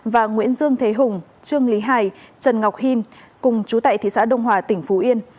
và nguyễn dương thế hùng trương lý hải trần ngọc hiên cùng chú tại thị xã đông hòa tỉnh phú yên